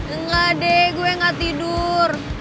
enggak deh gue gak tidur